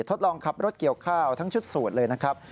ทดลองขับรถเกี่ยวข้าวทั้งชุดสูตรเลยนะครับ